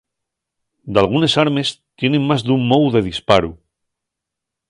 Dalgunes armes tienen más d'un mou de disparu.